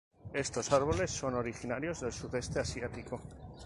Estos árboles son originarios del sudeste asiático.